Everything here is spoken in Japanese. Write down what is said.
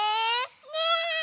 ねえ。